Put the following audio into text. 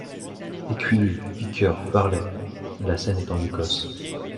Écuyers, Piqueurs, Varlets., La scène est en Écosse.